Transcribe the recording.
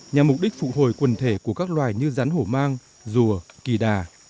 nhằm mục đích phụ hồi quần thể của các loài như rắn hổ mang rùa kỳ đà